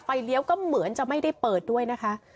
เลี้ยวก็เหมือนจะไม่ได้เปิดด้วยนะคะ